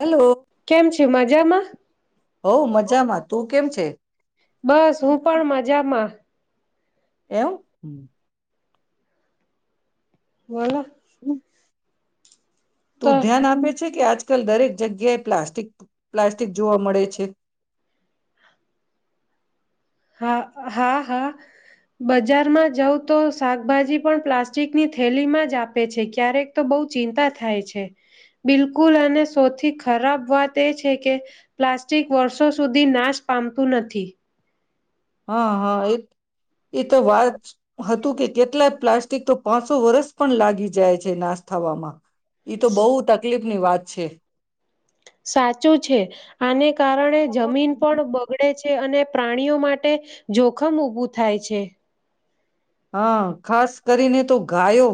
Hello કેમ છ મજામાં હો મજામાં તું કેમ છે બસ હું પણ મજામાં. એમ હ. વાલ હમ તો તું ધ્યાન આપેજે છે કે આજકાલ દરેક જગ્યાએ પ્લાસ્ટિક પ્લાસ્ટિક જોવા મળે છે હા હા હા બજારમાં જઉ તો શાકભાજી પણ પ્લાસ્ટિક ની થેલીમાં જ આપે છે ક્યારેક તો બહુ ચિંતા થાય છે બિલકુલ અને સૌથી ખરાબ વાત એ છે કે પ્લાસ્ટિક વર્ષો સુધી નાશ પામતું નથી હા હા એ એ તો વાત હ તું કે કેટલાય પ્લાસ્ટિક તો પાંચસો વરસ પણ લાગી જાય છે નાસ્ થવામાં ઈ તો બોહ તકલીફ ની વાત છે સાચું છે આને કારણે જમીન પણ બગડે છે અને પ્રાણીઓ માટે જોખમ ઉભું થાય છે હા ખાસ કરીને તો ગાયો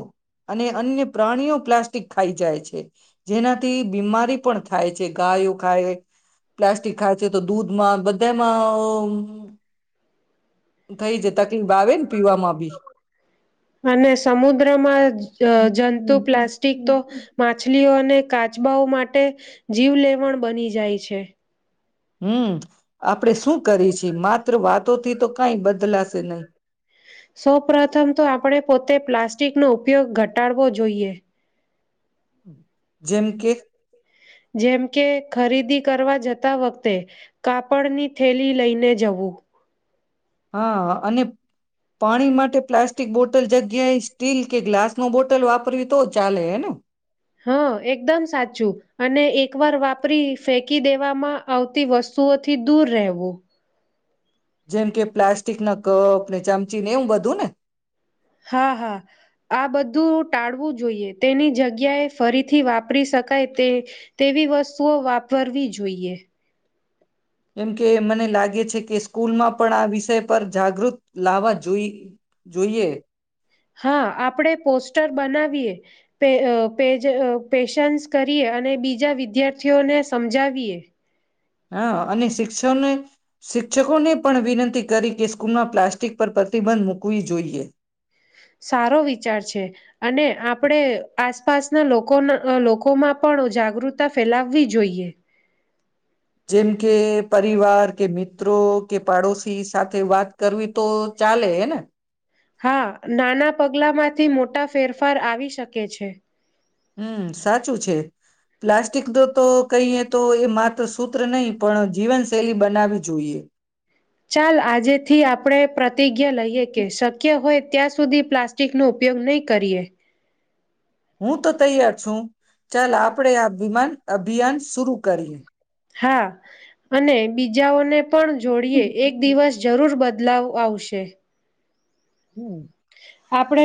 અને અન્ય પ્રાણીઓ પ્લાસ્ટિક ખાઈ જાય છે જેનાથી બીમારી પણ થાય છે ગાયો ખાય પ્લાસ્ટિક ખાય છે તો દૂધમાં બધામાં થઈ જાય તકલીફ આવે ને પીવામાં બી અને સમુદ્રમાં જંતુ પ્લાસ્ટિક તો માછલીઓ અને કાચબાઓ માટે જીવલેવણ બની જાય છે હમ્મ આપ આપણે શું કરી છીએ માત્ર વાત તો થી તો કાય બદલાશે નહી સૌ પ્રથમ તો આપણે પોતે પ્લાસ્ટિકનો ઉપયોગ ઘટાડવો જોઈએ [inaudible] જેમ કે જેમ કે ખરીદી કરવા જતા વખતે કાપડની થેલી લઈને જવું હા અને પાણી માટે પ્લાસ્ટિક બોટલ જગ્યાએ સ્ટીલ કે ગ્લાસ... નો બોટલ વાપરવી તો ચાલે હેને. હા એકદમ સાચું અને એક વાર વાપરી ફેંકી દેવામાં આવતી વસ્તુઓથી દૂર રહેવું. જેમ કે પ્લાસ્ટિક ના કપ... ને ચમચી ને એવું બધું ને... હા હા આ બધું ટાળવું જોઈએ, તેની જગ્યાએ ફરીથી વાપરી શકાય તે તેવી વસ્તુઓ વાપરવી જોઈએ. કેમ કે મને લાગે છે કે સ્કૂલમાં પણ આ વિષય પર જાગૃત લાવવા જોઈ જોઈએ. હા આપણેે પોસ્ટર બનાવીએ પે પેજ પેશન્સ કરીએ, અને બીજા વિદ્યાર્થીઓને સમજાવીએ... હા અને શિક્ષ શિક્ષકોને પણ વિનંતી કરી કે સ્કૂલમાં પ્લાસ્ટિક પર પ્રતિબંધ મૂકવી જોઈએ. સારો વિચાર છે, અને આપણે આસપાસના લોકો લોકોમાં પણ જાગૃતતા ફેલાવવી જોઈએ. જેમ કે... પરિવાર કે મિત્રો કે પાડોશી સાથે વાત કરવી તો ચાલે હેને. હા નાના પગલામાંથી મોટા ફેરફાર આવી શકે છે. હમ સાચું છે પ્લાસ્ટિક તો કઈ તો એ માથ તો સૂત્ર નહીં પણ જીવનશૈલી બનાવી જોઈએ. ચાલ આજેથી આપણે પ્ર પ્રતિજ્ઞા લઈએ કે શક્ય હોય ત્યાં સુધી પ્લાસ્ટિક નો ઉપયોગ નહીં કરીએ. હું તો તૈયાર છું, ચાલ આપણે આ વિમાન અભિયાન શરુ કરીએ. હા અને બીજાઓને... પણ જોડીએ એક દિવસ જરૂર બધા... બદલાવ આવશે. હમ. આપણે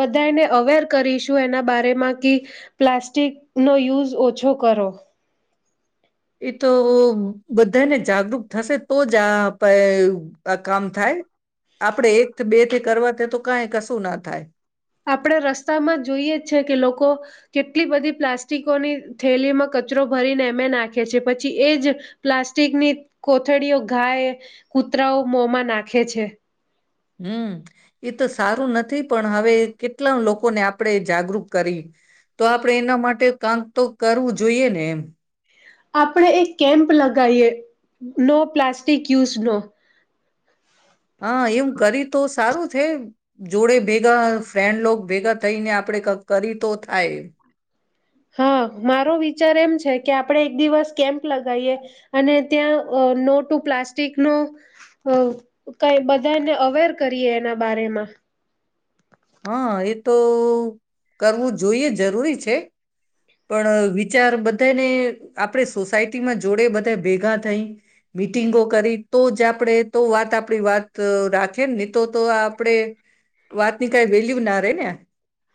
બધાને અવેર કરીશું એના બારેમાં કે, પ્લાસ્ટિક નો યુઝ ઓછો કરો. એ તો બધાને જાગૃત થશે... તો જા આ પ આ કામ થાય. આપડે એકથ બે થી કરવા કે તો... કઈ કશું ના થાય. આપણે રસ્તામાં જોઈએ જ છે કે લોકો કેટલી બધી પ્લાસ્ટિકોની થેલીમાં કચરો ભરીને એમે નાખે છે, પછી એ જ પ્લાસ્ટિકની કોથળીઓ ગાય, કૂતરાઓ મોંમાં નાખે છે. હમ એ તો સારું નથી પણ હવે... કેટલા લોકોને આપળેજ... જાગરૂક કરી. તો આપણેે એના માટે કામ તો કરવું જોઈએ ને એમ. આપણે એક કેમ્પ લગાવીએ નો પ્લાસ્ટિક યુઝ નો... હા એમ કરી તો સારું... થે જોડે ભેગા ફ્રેન્ડ લોગ ભેગા થઈને આપણે કરી તો થાય. હા મારો વિચાર એમ છે કે આપડે એક દિવસ કેમ લગાઈએ અને... ત્યાં નો ટુ પ્લાસ્ટિક નો [unintelligible] બધાને અવેર કરીએ એના બમાં હા એ તો કરવું જોઈએ જરૂરી છે. પણ વિચાર બધાને આપણે સોસાયટીમાં જોડે બધા ભેગા થઈ મીટિંગો કરી તો જ આપણેે તો વાત આપણી વાત [unintelligible] હી તો તો આપણેે વાત ની કઈ [unintelligible] ના [inaudible]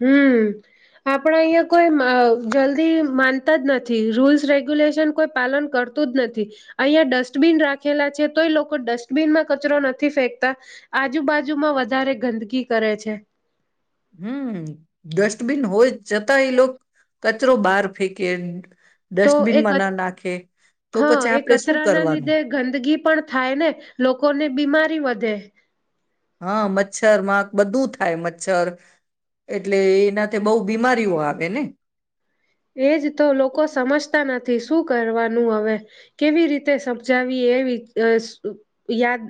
હમ આપણા અહિયાં કોઈ જલ્દી માનતા જ નથી રૂલ્સ રેગ્યુલેશન કોઈ પાલન કરતું જ નથી [unintelligible] ડસ્ટબિન રાખેલા છે, તોય લોકો ડસ્ટબિનમાં કચરો નથી ફેંકતા આજુબાજુમાં વધારે ગંદકી કરે છે. હમ ડસ્ટબિન હોય. [unintelligible] એ લોકો કચરો બહાર ફેંકે તો એ ડસ્ટબિનમાં ના [unintelligible] નાખે તો હા પછી એ આપણે શું કચરા ના કરવાનું લીધે ગંદગી પણ થાય ને લોકોને બીમારી વધે હા મચ્છર મા બધું થાય મચ્છર એટલે એનાથી બહુ બીમારીઓ આવે ને એજ તો લોકો સમજતા નથી શું કરવાનું હવે. કેવી રીતે સમજાવી એવી [unintelligible] યાદ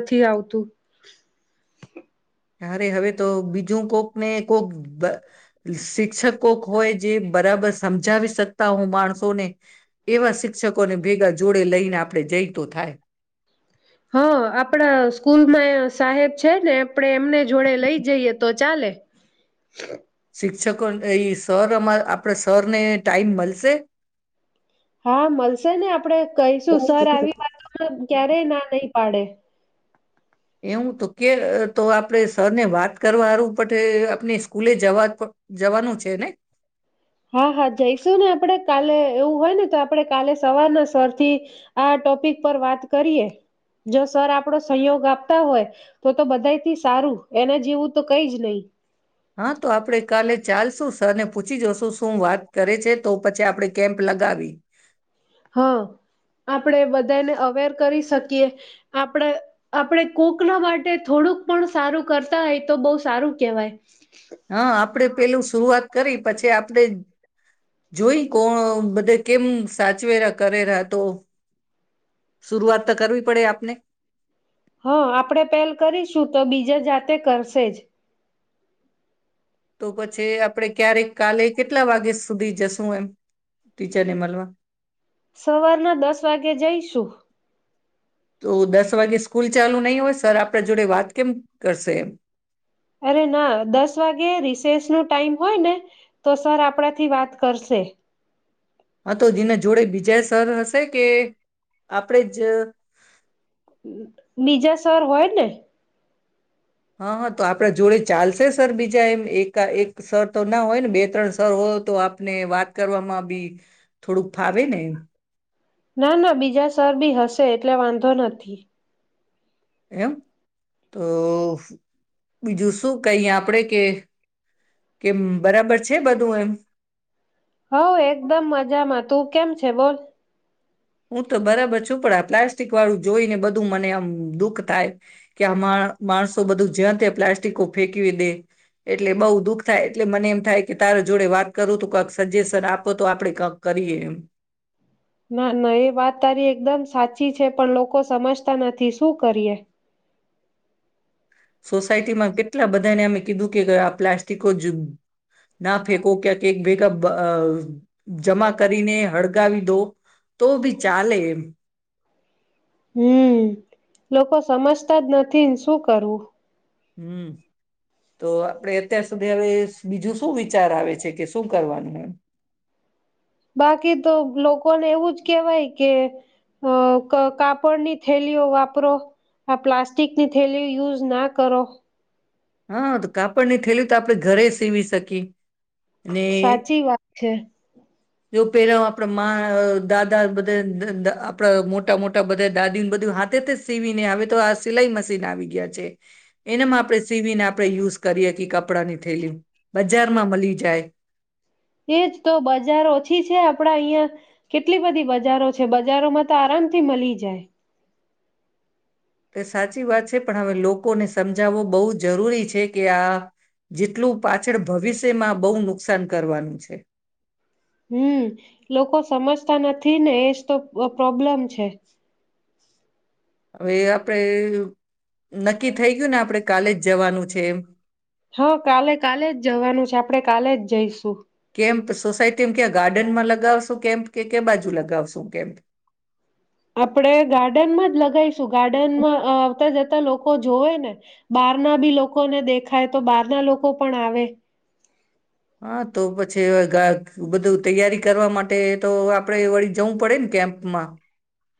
નથી આવતું. અરે હવે તો બીજું કોક ને કોક શિક્ષકો હોય જે બરાબર સમજાવી શકતા હું માણસોને એવા શિક્ષકોને ભેગા જોડે લઈને આપ આપણે જઈ તો થાય. હ આપડા સ્કૂલમાં સાહેબ છે, ને આપડે એમને જોડે લઈ જઈએ તો ચાલે. [unintelligible] એ સરમાં આપણા સર ને ટાઈમ મળશે. હા મળશે ને આપડે કહીશું સર આવી વાતો ક્યારેય ના નહી પાડે. એવું તો કે તો [unintelligible] સર ને વાત કરવારું [unintelligible] આપણે સ્કૂલે જવા જવાનું છે, ને હા હા જઈશું ને આપણેે કાલે એવું હોય ને તો આપડે કાલે સવારના સરથી આ ટોપિક પર વાત કરીએ જો સર આપડો સંયોગ આપતા હોય તો તો બધા થી સારું એને જીવું તો કઈ જ [unintelligible] હા તો આપડે કાલે ચાલશું. સર ને પૂછી જોશું શું વાત કરે છે, તો પછી આપણે કેમ્પ લગાવી હા આપણેે બધાને અવેર કરી શકીએ આપણે આપણે [unintelligible] ના માટે થોડુંક પણ સારું કરતા હોય તો બહુ સારું કેહેવાય. હા આપડે પેલું [unintelligible] કરી પછી આપણે જોઈ કોણ બધે કેમ સાચવેરા કરેરા તો શરઆત તો કરવી પડે આપને હા આપણેે પહેલ કરીશું તો બીજા જાતે કરશે જ તો પછી આપણે ક્યારેક કાલે કેટલા વાગ્યા સુધી જશું એમ ટીચરને [unintelligible] સવારના દસ વાગે જઈશું. તો દસ વાગે સ્કૂલ ચાલુ નહીં હોય સર આપણા જોડે વાત કેમ કરશે [unintelligible] અરે ના દસ વાગે રિસેસ નો ટાઈમ હોય ને તો સર આપણાથી વાત કરશે. હા તો જેના જોડે બીજા સર હશે કે આપણેે જ [unintelligible] સર હોય ને હા હા તો આપડે જોડે. ચાલશે સર બીજા એમ એક એક સર તો ના હોય ને બે ત્રણ સર હો તો આપને વાત કરવામાં બી થોડું ફાવે ને ના ના બીજા સર બી હશે એટલે વાંધો નથી એમ તો બીજું શું કઈ આપણેે કે કેમ બરાબર છે બધ તુ એમ હઉ એકદમ મજામાં તું કેમ છે બોલ. હું તો બરાબર છું પણ પ્લા પ્લાસ્ટિકવાળું જોઈને બધું મને આમ દુઃખ થાય. કે આ માણ માણસો બધું જ્યાં ત્યાં પ્લાસ્ટિક કો ફેકવી દે. એટલે બઉ દુઃખ થાય એટલે મને એમ થાય કે તારો જોડે વાત કરું તો કક સજેશન આપો તો આપડે કક કરીએ એમ. ના-ના એ વાત તારી એકદમ સાચી છે પણ લોકો સમજતા નથી શું કરીએ. સોસાયટીમાં કેટલા બધાને અમે કીધું કે આ પ્લાસ્ટિકો જ ના ફેંકો ક્યાંક એક ભેગા બ અ જમા કરીને હળગાવી દો. તો ભી ચાલે એમ. હમ્મ લોકો સમજતા જ નથી શું કરવું. હમ્મ તો આપડે અત્યાર સુધી હવે બીજું શું વિચાર આવે છે કે શું કરવાનું એમ. બાકી તો લોકોને એવું જ કેહેવાય કે અ ક કાપડની થેલીઓ વાપરો આ પ્લાસ્ટિકની થેલીઓ યુઝ ના કરો. હા તો કાપડની થેલી તો આપણે ઘરે સીવી શકીએ. અને સાચી વાત છે. જો પેલા આપણા દાદા બધા આપણા મોટા મોટા બધા દાદી ન બધું હાથે તો સીવીને હવે તો આ સિલાઈ મશીન આવી ગયા છે એનામાં આપણે સીવીને આપ આપણે યુઝ કરીએ કે કપડા ની ઠેલ્યું બજાર માં મળી જાય એજ તો, બજાર ઓછી છે આપડા અહિયાં કેટલી બધી બજારો છે બજારોમાં તો આરામથી મલી જાય તો સાચી વાત છે, પણ હવે લોકોને સમજાવવો બહુ જરૂરી છે, કે આ જેટલું પાછળ ભવિષ્યમાં બહુ નુકસાન કરવાનું છે હમ, લોકો સમજતા નથી ને એજ તો પ્રોબ્લેમ છે હવે આપડે નક્કી થઈ ગયું ને આપડે કાલે જવાનું છે, એમ હા, કાલે કાલે, જ જવાનું છે આપણેે કાલે જ જઈશું કેમ્પ સોસાયટીમ ક્યાં ગાર્ડનમાં લગાવશું કેમ કે કે બાજુ લગાવસો કેમ. આપડે ગાર્ડનમાં જ લગાવીશ શું ગાર્ડનમાં આવતા જતા લોકો જોવે ને બહાર ના બી લોકોને દેખાય તો બહાર ના લોકો પણ આવે. હા તો પછી ગા બધું તૈયારી કરવા માટે તો આપણે વળી જવું પડે ને કેમ્પમાં.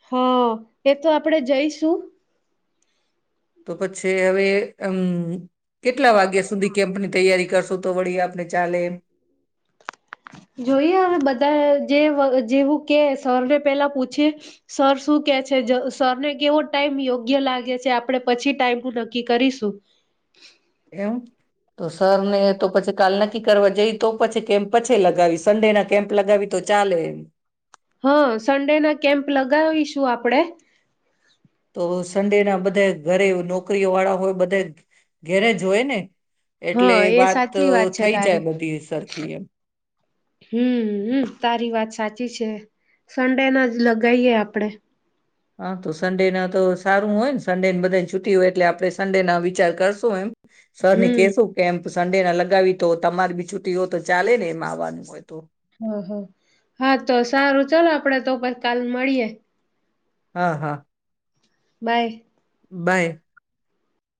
હા એ તો આપડે જઈશું. તો પછી હવે એમ કેટલા વાગ્યા સુધી કેમ્પની તૈયારી કરશું તો વળી આપને ચાલે એમ. જોઈએ હવે બધા જે જેવું કે સરને પેલા પૂછીએ સર શું કે છે સરને કેવો ટાઈમ યોગ્ય લાગે છે આપણે પછી ટાઈમ નક્કી કરીશું. એવુ તો સર ને તો પછી કાલ ના નકી કરવા જઈ તો પછી કેમ્પ પછી લગાવી સંડે ના કેમ્પ લગાવી તો ચાલે એમ. હા સન્ડે ના કેમ્પ લગાવીશું આપડે તો સન્ડે ના બધા ઘરે નોકરીઓ વાળા હોય બધા ઘેરે જ હોય ને. એટલે હા એ વાત તો સાચી વાત થઈ જાય બધી સરખી એમ. હમ્મ હામ તારી વાત સાચી છે સન્ડેના જ લગાઈએ આપડે. હા તો સન્ડે ના તો સારું હોય ને સન્ડે ને બધાને છુટી હોય એટલે આપણે સન્ડે ના વિચાર કરશું એમ. સર ની હમ કેશું કેમ તો સન્ડે ના લગાવી તો તમારી બી છુટી હો તો ચાલે ને એમ આવવાનું હોય. તો હ હ હા તો સારું ચલો આપડે તો [unintelligible] કાલ મળીએે. હા હા. બાય. બાય.